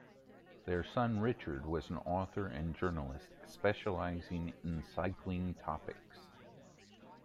Their son Richard was an author and journalist specializing in cycling topics.